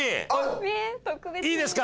いいですか？